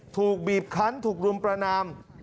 ถูกบีบคันถูกรุมประนาม